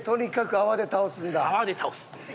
泡で倒す。